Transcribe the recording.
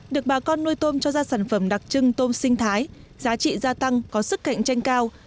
được bà con nuôi tôm cho ra sản phẩm đặc trưng tôm sinh thái giá trị gia tăng có sức cạnh tranh cao